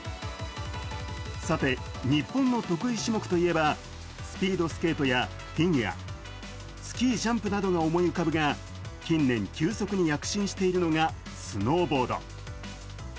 さて、日本の得意種目といえばスピードスケートやフィギュア、スキージャンプなどが思い浮かぶが近年、急速に躍進しているのがスノーボード。